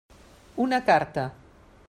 Una carta.